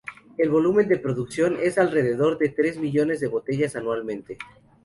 El volumen de producción es de alrededor de tres millones de botellas anualmente.